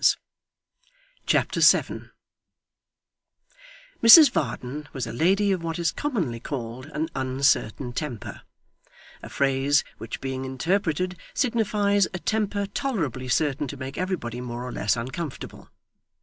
Chapter 7 Mrs Varden was a lady of what is commonly called an uncertain temper a phrase which being interpreted signifies a temper tolerably certain to make everybody more or less uncomfortable.